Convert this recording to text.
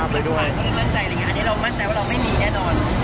ไปนะครับ